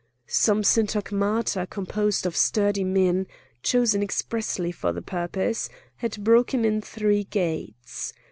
Some syntagmata composed of sturdy men, chosen expressly for the purpose, had broken in three gates.